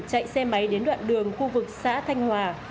chạy xe máy đến đoạn đường khu vực xã thanh hòa